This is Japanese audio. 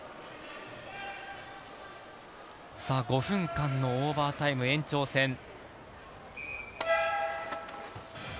５分間のオーバータイム、延長戦。